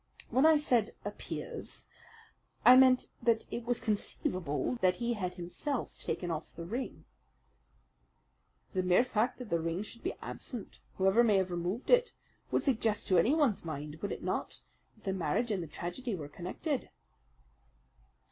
"When I said 'appears' I meant that it was conceivable that he had himself taken off the ring." "The mere fact that the ring should be absent, whoever may have removed it, would suggest to anyone's mind, would it not, that the marriage and the tragedy were connected?"